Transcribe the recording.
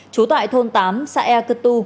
chú tại thôn tám xã e cơ tu